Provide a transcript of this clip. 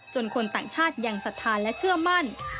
จนคนต่างชาติยังสัดทานและเชื่อมั่น